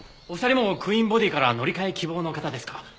お二人もクイーンボディーから乗り換え希望の方ですか？